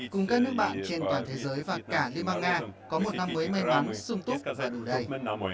cùng các nước bạn trên toàn thế giới và cả liên bang nga có một năm mới may mắn sung túc và đủ đầy